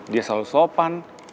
dia selalu sopan